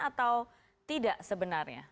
atau tidak sebenarnya